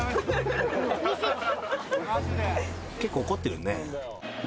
［結構怒ってるね］